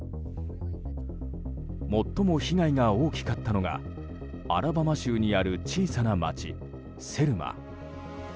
最も被害が大きかったのがアラバマ州にある小さな町セルマ。